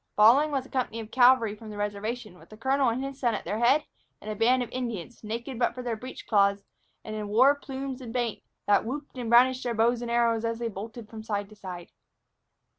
Following was a company of cavalry from the reservation, with the colonel and his son at their head, and a band of Indians, naked but for their breech cloths, and in war plumes and paint, that whooped and brandished their bows and arrows as they bolted from side to side.